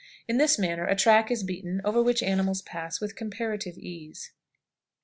In this manner a track is beaten over which animals pass with comparative ease.